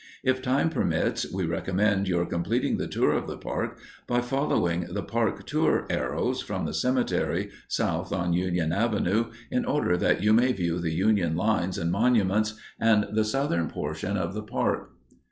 If time permits, we recommend your completing the tour of the park by following the "Park Tour" arrows from the cemetery, south on Union Avenue, in order that you may view the Union lines and monuments and the southern portion of the park.